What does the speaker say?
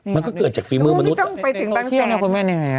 เป็นทโทขเทียบนะคุณแม่หน่อย